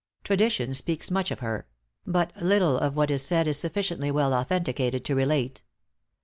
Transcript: Tradition speaks much of her; but little of what is said is sufficiently well authenticated to relate.